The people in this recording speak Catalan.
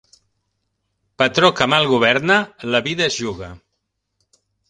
Patró que mal governa, la vida es juga.